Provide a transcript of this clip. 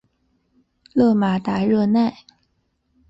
勒马达热奈。